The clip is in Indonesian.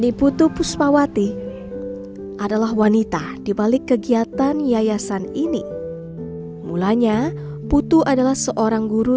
di putu pusmawati adalah wanita dibalik kegiatan yayasan ini mulanya putu adalah seorang guru